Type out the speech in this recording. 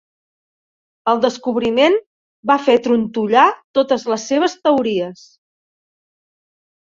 El descobriment va fer trontollar totes les seves teories.